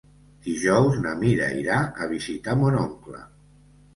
Dijous na Mira irà a visitar mon oncle.